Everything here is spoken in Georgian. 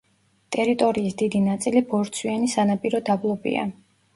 ტერიტორიის დიდი ნაწილი ბორცვიანი სანაპირო დაბლობია.